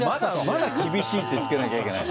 まだ厳しいってつけなきゃいけないの。